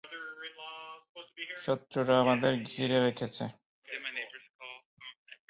শত্রুরা আমাদের ঘিরে রেখেছে।